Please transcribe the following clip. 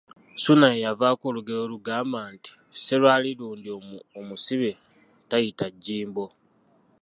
Suuna ye yavaako olugero olugamba nti, ‘Serwali lundi omusibe tayaita jjimbo.`